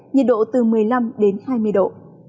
nhiệt độ từ một mươi năm đến hai mươi độ